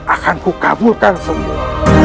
akanku kabulkan semua